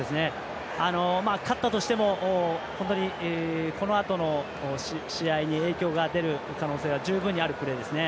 勝ったとしても本当に、このあとの試合に影響が出る可能性が十分にあるプレーですね。